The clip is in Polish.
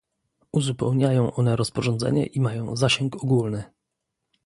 Uzupełniają one rozporządzenie i mają zasięg ogólny